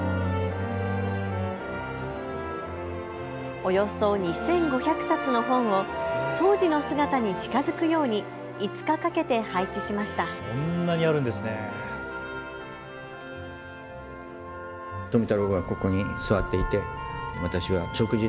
およそ２５００冊の本を当時の姿に近づくように５日かけて配置しました。